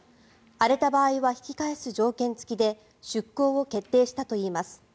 荒れた場合は引き返す条件付きで出航を決定したといいます。